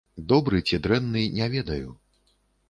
Добры ці дрэнны, не ведаю.